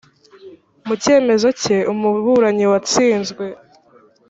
mu cyemezo cye umuburanyi watsinzwe